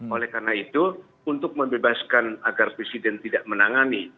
oleh karena itu untuk membebaskan agar presiden tidak menangani